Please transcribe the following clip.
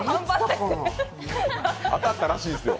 当たったらしいんですよ。